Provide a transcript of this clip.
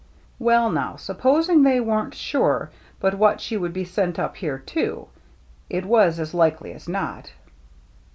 " Well, now, supposing they weren't sure but what she would be sent up here too ? It was as likely as not."